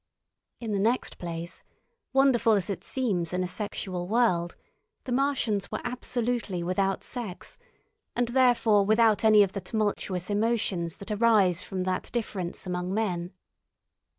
In the next place, wonderful as it seems in a sexual world, the Martians were absolutely without sex, and therefore without any of the tumultuous emotions that arise from that difference among men.